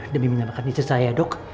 demi minyak makan isi saya dok